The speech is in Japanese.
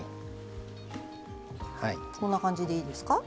こんな感じでいいですか？